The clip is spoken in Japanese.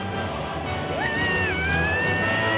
うわ！